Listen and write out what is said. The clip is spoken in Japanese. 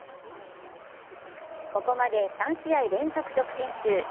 ここまで３試合連続得点中。